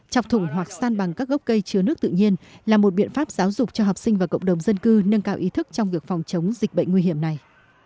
chọc thủng hoặc san bằng các gốc cây chứa nước tự nhiên là một biện pháp giáo dục cho học sinh và cộng đồng dân cư nâng cao ý thức trong việc phòng chống dịch bệnh nguy hiểm này